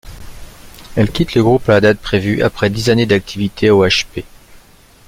Elle quitte le groupe à la date prévue, après dix années d'activité au H!P.